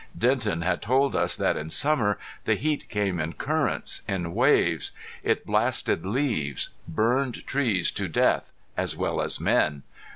Denton had told us that in summer the heat came in currents, in waves. It blasted leaves, burned trees to death as well as men.